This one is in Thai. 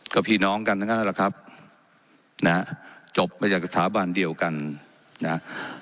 ก็พี่น้องกันทั้งนั้นแหละครับนะฮะจบมาจากสถาบันเดียวกันนะฮะ